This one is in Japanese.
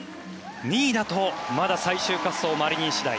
２位だと、まだ最終滑走マリニン次第。